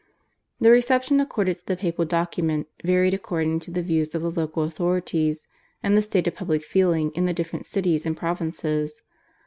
The reception accorded to the papal document varied according to the views of the local authorities and the state of public feeling in the different cities and provinces.